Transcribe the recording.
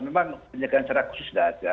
memang penjagaan secara khusus tidak ada